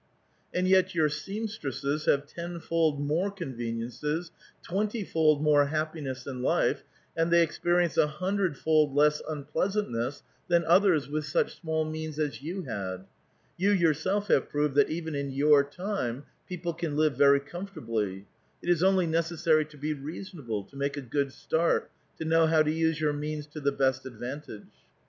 "And yet your seamstresses have tenfold more conven i'^ncos, twenty fold more happiness in life, and they expe rience a hundred fold less unpleasantness than others with such small means as you had. You yourself have proved that even in your time people can live very comfortably. It is only necessary to be reasonable, to make a good start, to know how to use your means to the best advantage."